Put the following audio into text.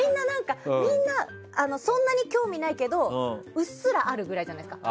みんな、そんなに興味ないけどうっすらあるぐらいじゃないですか。